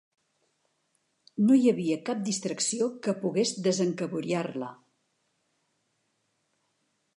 No hi havia cap distracció que pogués desencaboriar-la.